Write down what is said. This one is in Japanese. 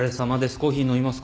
コーヒー飲みますか？